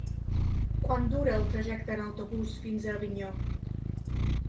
Quant dura el trajecte en autobús fins a Avinyó?